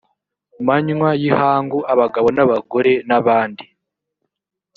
manywa y ihangu abagabo n abagore n abandi